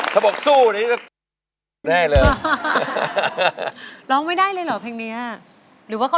ถ้าบอกสู้แล้วก็